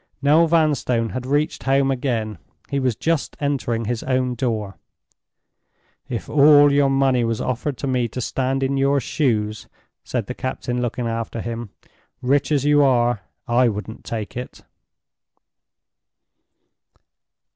Noel Vanstone had reached home again; he was just entering his own door. "If all your money was offered me to stand in your shoes," said the captain, looking after him—"rich as you are, I wouldn't take it!"